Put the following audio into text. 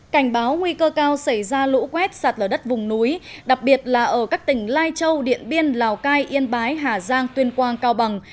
cảnh báo nguy cơ cao xảy ra lũ quét sạt lở đất vùng núi đặc biệt là ở các tỉnh lai châu điện biên lào cai yên bái hà giang tuyên quang cao bằng